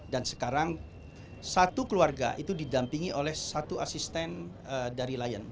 dan sekarang satu keluarga itu didampingi oleh satu asisten dari lion